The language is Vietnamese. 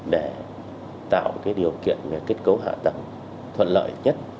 để tạo điều kiện về kết cấu hạ tầng thuận lợi nhất